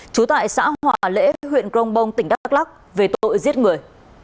trú tại xã hòa lễ huyện công bông tỉnh đắk lắc về tội giết người